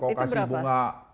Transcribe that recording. kalau kau kasih bunga